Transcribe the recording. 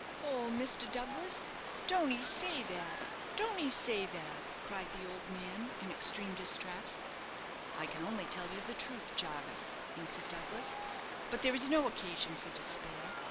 "Oh, Mr. Douglas, don't 'ee say that, don't 'ee say that," cried the old man, in extreme distress. "I can only tell you the truth, Jarvis," answered Douglas: "but there is no occasion for despair.